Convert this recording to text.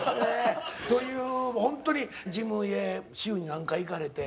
ホントにジムへ週に何回行かれて？